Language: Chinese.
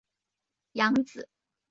养子为朝仓景纪。